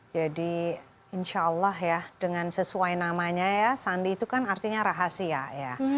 jadi insya allah ya dengan sesuai namanya ya sandi itu kan artinya rahasia ya